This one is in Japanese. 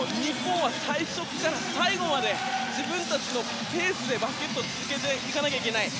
だからこそ日本は最初から最後まで自分たちのペースでバスケットを続けていかなきゃいけない。